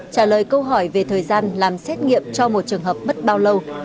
trả lời câu hỏi về thời gian làm xét nghiệm cho một trường hợp mất bao lâu